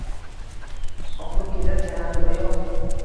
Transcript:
Oqib kelar yalangoyoq —